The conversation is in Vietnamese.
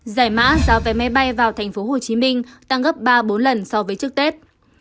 giải mã giá vé máy bay vào tp hcm tăng gấp ba bốn lần so với trước tết